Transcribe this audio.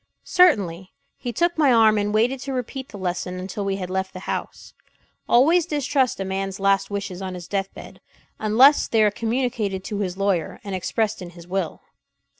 "Certainly." He took my arm and waited to repeat the lesson until we had left the house; "Always distrust a man's last wishes on his death bed unless they are communicated to his lawyer, and expressed in his will."